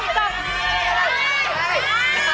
ได้